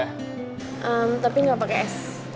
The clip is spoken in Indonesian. ehm tapi gak pake es